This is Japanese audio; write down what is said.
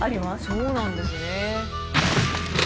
そうなんですね。